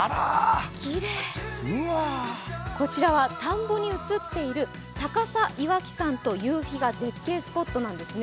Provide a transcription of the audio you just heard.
こちらは田んぼに映っている逆さ岩木山と夕日の絶景スポットなんです。